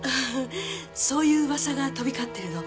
そういう噂が飛び交ってるの。